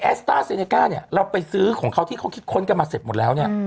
สต้าเซเนก้าเนี่ยเราไปซื้อของเขาที่เขาคิดค้นกันมาเสร็จหมดแล้วเนี่ย